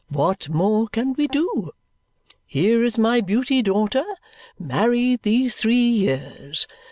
What more can we do? Here is my Beauty daughter, married these three years.